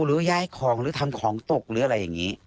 หรือย้ายของหรือทำของตกหรืออะไรอย่างนี้